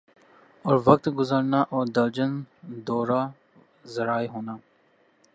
اور وقت گزرنا اور درجن دورہ ذرائع ہونا